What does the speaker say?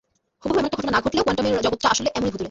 হুবহু এমন ঘটনা না ঘটলেও কোয়ান্টামের জগৎটা আসলে এমনই ভুতুড়ে।